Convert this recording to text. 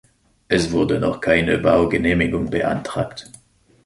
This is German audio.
Es wurde noch keine Baugenehmigung beantragt.